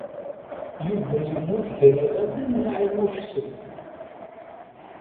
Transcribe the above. Yuba yemmut gar yiɣallen n Naɛima u Ḥsen.